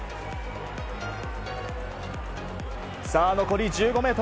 残り１５ｍ。